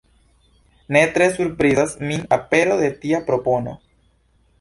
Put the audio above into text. Ne tre surprizas min apero de tia propono.